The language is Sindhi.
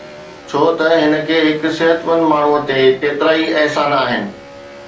ڇوته هن کي هڪ صحتمند ماڻهوءَ تي ڪيترائي احسان آهن